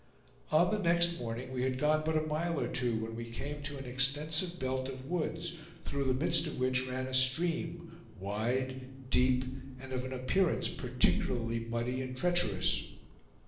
On the next morning we had gone but a mile or two, when we came to an extensive belt of woods, through the midst of which ran a stream, wide, deep, and of an appearance particularly muddy and treacherous.